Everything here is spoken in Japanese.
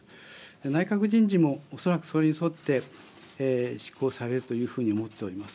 内閣人事もおそらくそれに沿って執行されるというふうに思っております。